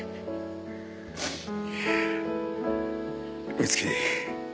美月。